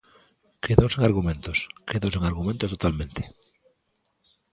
Quedou sen argumentos, quedou sen argumentos, totalmente.